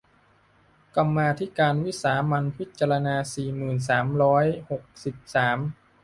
กรรมาธิการวิสามัญพิจารณา สี่หมื่นสามร้อยหกสิบสาม